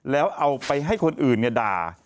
แล้วเอาไปให้คนอื่นด่า